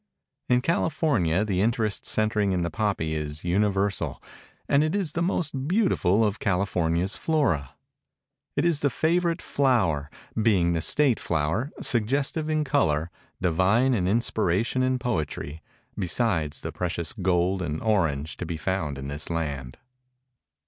In California the interest centering in the poppy is universal, and it is the most beautiful of California's flora. It is the favorite flower, being the State flower, suggestive in color, divine in inspiration and poetry, besides the precious gold and orange to be found in this land.